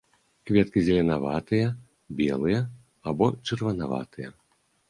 Кветкі зеленаватыя, белыя або чырванаватыя.